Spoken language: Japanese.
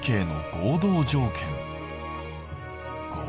合同条件